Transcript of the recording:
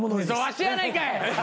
ワシやないかい！